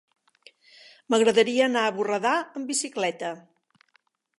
M'agradaria anar a Borredà amb bicicleta.